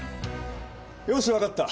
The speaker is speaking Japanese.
よし分かった！